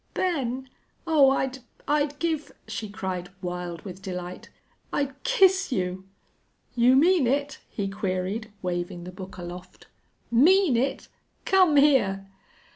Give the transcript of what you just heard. "Ben! Oh, I'd I'd give " she cried, wild with delight. "I'd kiss you!" "You mean it?" he queried, waving the book aloft. "Mean it? Come here!"